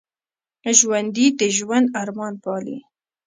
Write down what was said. ژوندي د ژوند ارمان پالي